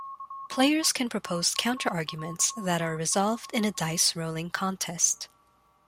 Players can propose counter-arguments that are resolved in a dice rolling contest.